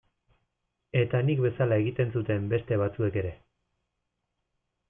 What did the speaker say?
Eta nik bezala egiten zuten beste batzuek ere.